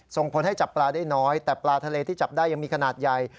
ส่งผลให้จับปลาได้น้อยแต่ปลาทะเลที่จับได้ยังมีขนาดใหญ่